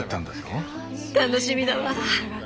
楽しみだわ。